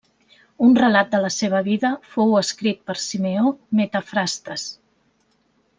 Un relat de la seva vida fou escrit per Simeó Metafrastes.